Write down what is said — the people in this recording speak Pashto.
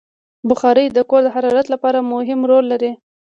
بخاري د کور د حرارت لپاره مهم رول لري.